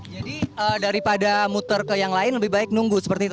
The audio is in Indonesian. jadi daripada muter ke yang lain lebih baik nunggu seperti itu